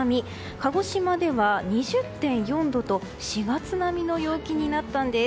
鹿児島では２０．４度と４月並みの陽気になったんです。